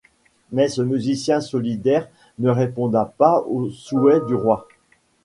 Mais ce musicien solitaire ne répondra pas au souhait du roi.